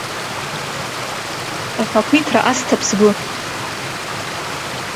Ахақәиҭра асҭап сгәы.